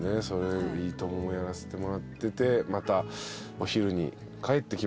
『いいとも！』もやらせてもらっててまたお昼に帰ってきましたね。